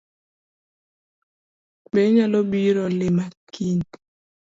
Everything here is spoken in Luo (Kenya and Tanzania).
Be inyalobiro lima kiny?